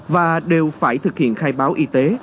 và đều phải thực hiện khai báo y tế